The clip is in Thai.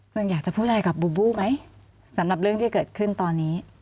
อยากจะพูดอะไรกับบูบูไหมสำหรับเรื่องที่เกิดขึ้นตอนนี้